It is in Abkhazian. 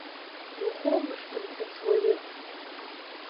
Иухоумыршҭын сышуаҩыз.